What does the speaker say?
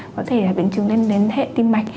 có thể là biến chứng lên hệ tim mạch